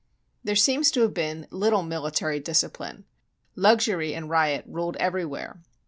There seems to have been little military disci pline. Luxury and riot ruled everywhere.